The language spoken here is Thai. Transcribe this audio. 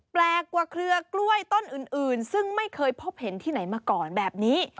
แปลกกว่าเครือกล้วยต้นอื่นซึ่งไม่เคยพบเห็นที่ไหนมาก่อนแบบนี้